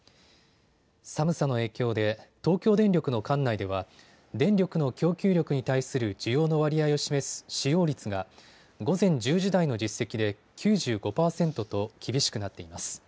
寒さの影響で東京電力の管内では電力の供給力に対する需要の割合を示す使用率が午前１０時台の実績で９５％と厳しくなっています。